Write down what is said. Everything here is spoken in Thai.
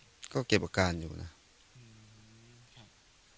มันน่าจะปกติบ้านเรามีก้านมะยมไหม